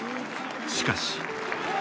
しかし。